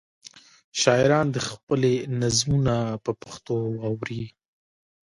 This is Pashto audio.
شاعران دې خپلې نظمونه په پښتو واوروي.